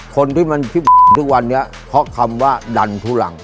คนที่มันคิดทุกวันนี้เพราะคำว่าดันทุรัง